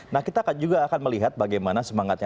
nah kita juga akan melihat bagaimana semangatnya